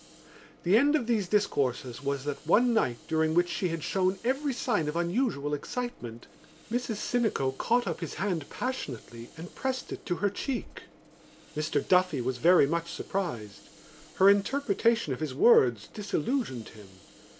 The end of these discourses was that one night during which she had shown every sign of unusual excitement, Mrs Sinico caught up his hand passionately and pressed it to her cheek. Mr Duffy was very much surprised. Her interpretation of his words disillusioned him.